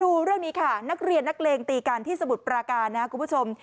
ดูเรื่องนี้ค่ะนักเรียนนักเลงตีกันที่สมุทรปราการนะครับคุณผู้ชม